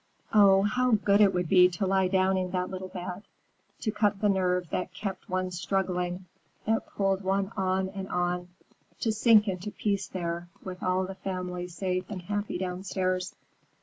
Oh, how good it would be to lie down in that little bed, to cut the nerve that kept one struggling, that pulled one on and on, to sink into peace there, with all the family safe and happy downstairs.